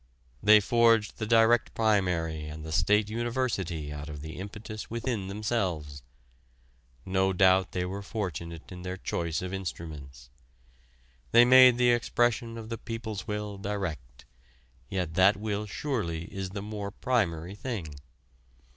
They forged the direct primary and the State University out of the impetus within themselves. No doubt they were fortunate in their choice of instruments. They made the expression of the people's will direct, yet that will surely is the more primary thing.